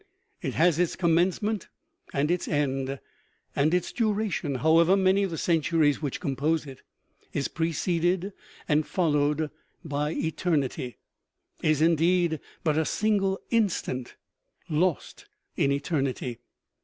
It has its commencement and its end ; and its duration, however many the centuries which compose it, is preceded and followed by eternity is, indeed, but a single instant lost in eternity.